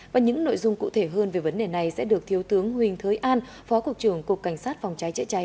và những nội dung cụ thể hơn về vấn đề này sẽ được thiếu tướng huỳnh thới an phó cục trưởng cục cảnh sát phòng cháy chữa cháy